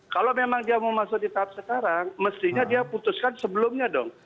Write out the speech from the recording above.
kalau memang dia mau masuk di tahap sekarang mestinya dia putuskan sebelumnya dong